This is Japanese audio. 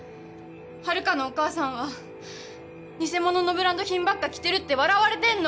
遥のお母さんは偽物のブランド品ばっか着てるって笑われてんの。